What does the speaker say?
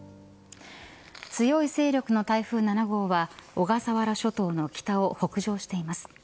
強い勢力の台風７号は小笠原諸島の北を北上しています。